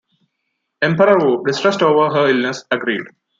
Emperor Wu, distressed over her illness, agreed.